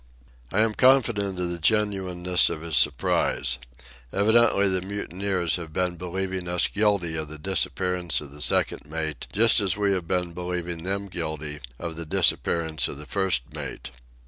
I am confident of the genuineness of his surprise. Evidently the mutineers have been believing us guilty of the disappearance of the second mate, just as we have been believing them guilty of the disappearance of the first mate.